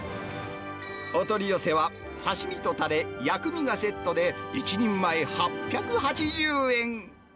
お取り寄せは、刺身とたれ、薬味がセットで１人前８８０円。